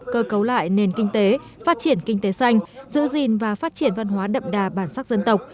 cơ cấu lại nền kinh tế phát triển kinh tế xanh giữ gìn và phát triển văn hóa đậm đà bản sắc dân tộc